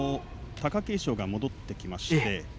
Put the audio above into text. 貴景勝が戻ってきました。